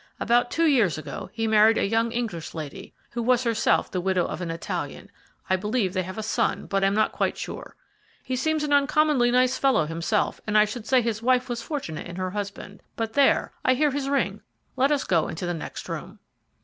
About two years ago he married a young English lady, who was herself the widow of an Italian. I believe they have a son, but am not quite sure. He seems an uncommonly nice fellow himself, and I should say his wife was fortunate in her husband; but, there, I hear his ring let us go into the next room."